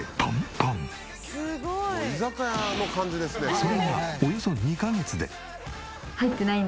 それがおよそ２カ月で。